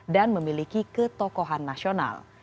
dan memiliki ketokohan nasional